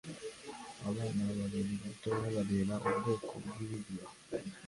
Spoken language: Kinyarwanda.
Abana babiri bato bareba ubwoko bwibiryo